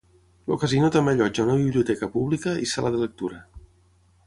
El casino també allotja una biblioteca pública i sala de lectura.